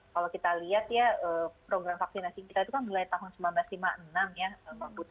kalau kita lihat ya program vaksinasi kita itu kan mulai tahun seribu sembilan ratus lima puluh enam ya